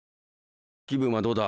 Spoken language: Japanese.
気分はどうだ？